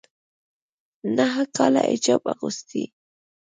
ا نهه کاله حجاب اغوستی